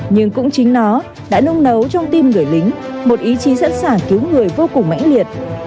nhưng cũng chính nó đã nung nấu trong tim người lính một ý chí sẵn sàng cứu người vô cùng mãnh liệt